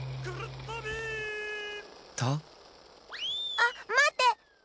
あっまって！